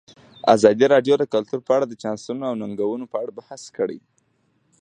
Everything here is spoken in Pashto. ازادي راډیو د کلتور په اړه د چانسونو او ننګونو په اړه بحث کړی.